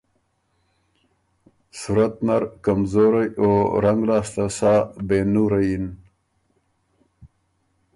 صورت نر کمزورئ او رنګ لاسته سا بې نُوره یِن